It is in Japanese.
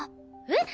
えっ？